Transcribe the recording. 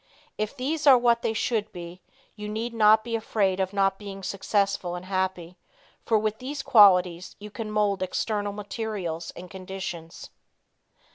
If these are what they should be, you need not be afraid of not being successful and happy, for with these qualities you can mold external materials and conditions.